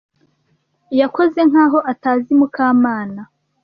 yakoze nkaho atazi Mukamana.